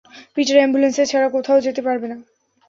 Peter ambulance ছাড়া কোথাও যেতে পারবে না!